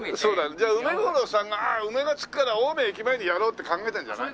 じゃあうめごろうさんが「“うめ”が付くから青梅駅前でやろう」って考えたんじゃない？